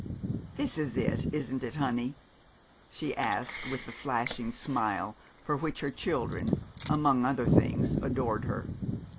"This is it, isn't it, honey?" she asked with the flashing smile for which her children, among other things, adored her.